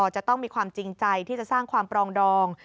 จะต้องมีความจริงใจที่จะสร้างความปรองดอง